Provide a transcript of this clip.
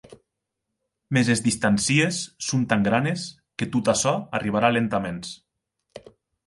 Mès es distàncies son tan granes que tot açò arribarà lentaments.